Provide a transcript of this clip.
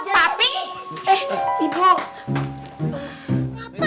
tapi eh ibu